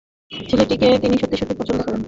ছেলেটিকে তিনি সত্যি-সত্যি পছন্দ করেন।